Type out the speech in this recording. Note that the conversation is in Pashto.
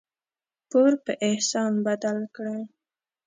پور په احسان بدل کړه.